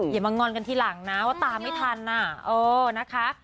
อย่ามางอนกันทีหลังนะว่าตามไม่ทันนะคะ